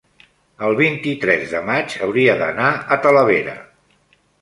el vint-i-tres de maig hauria d'anar a Talavera.